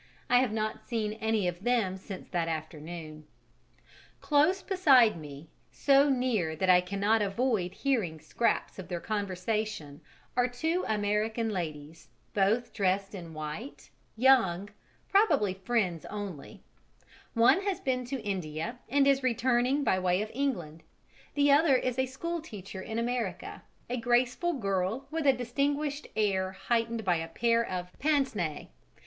I have not seen any of them since that afternoon. Close beside me so near that I cannot avoid hearing scraps of their conversation are two American ladies, both dressed in white, young, probably friends only: one has been to India and is returning by way of England, the other is a school teacher in America, a graceful girl with a distinguished air heightened by a pair of pince nez.